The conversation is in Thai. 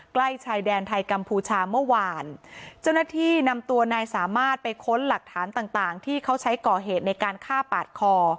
ใกล้ชายแดนไทยกัมพูชาเมื่อวานเจ้าหน้าที่นำตัวนายสามารถไปค้นหลักฐานต่างต่างที่เขาใช้ก่อเหตุในการฆ่าปาดคอ